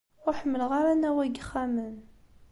Ur ḥemmleɣ ara anaw-a n yixxamen.